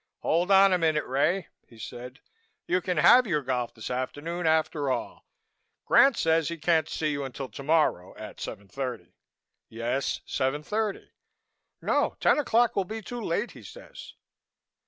"Hold on a minute, Ray," he said. "You can have your golf this afternoon, after all. Grant says he can't see you until tomorrow at seven thirty.... Yes, seven thirty.... No, ten o'clock will be too late, he says....